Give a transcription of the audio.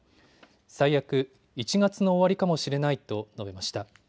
最悪、１月の終わりかもしれないと述べました。